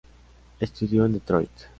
Estudió en Detroit.